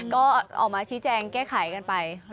ก็ออกมาชี้แจงแก้ไขกันไป